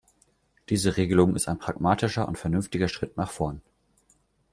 Diese Regelung ist ein pragmatischer und vernünftiger Schritt nach vorn.